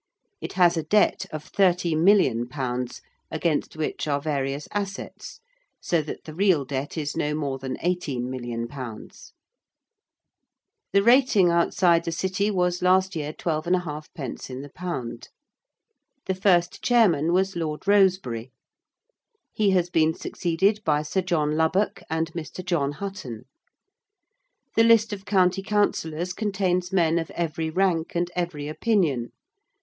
It has a debt of 30,000,000_l._, against which are various assets, so that the real debt is no more than 18,000,000_l._ The rating outside the City was last year 12½_d._ in the pound. The first Chairman was Lord Rosebery. He has been succeeded by Sir John Lubbock and Mr. John Hutton. The list of County Councillors contains men of every rank and every opinion.